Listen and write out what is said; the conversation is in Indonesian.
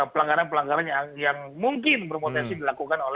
pelanggaran pelanggaran yang mungkin bermotensi dilakukan